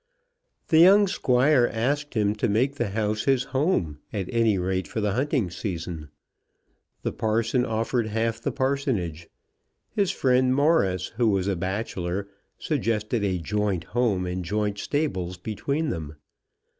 The young Squire asked him to make the house his home, at any rate for the hunting season. The parson offered half the parsonage. His friend Morris, who was a bachelor, suggested a joint home and joint stables between them.